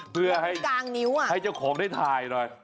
เพื่อให้เจ้าของได้ถ่ายหน่อย